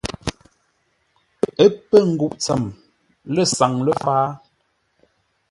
Ə́ pə́ nguʼ tsəm lə̂ saŋ ləfǎa.